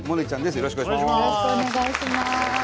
よろしくお願いします。